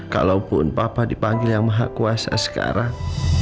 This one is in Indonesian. kalaupun papa dipanggil yang maha kuasa sekarang